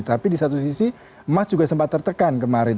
tapi di satu sisi emas juga sempat tertekan kemarin